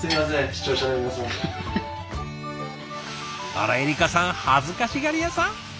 あらエリカさん恥ずかしがり屋さん？